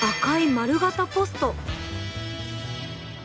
丸ポスト